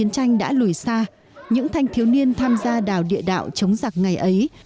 tuổi xa những thanh thiếu niên tham gia đào địa đạo chống giặc ngày ấy